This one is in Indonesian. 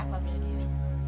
aku hemat yang